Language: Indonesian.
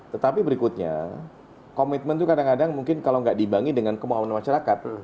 tetapi berikutnya komitmen itu kadang kadang mungkin kalau nggak dibangi dengan kemauan masyarakat